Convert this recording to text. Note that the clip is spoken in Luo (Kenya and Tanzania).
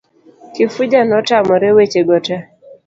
Kifuja notamore weche go te.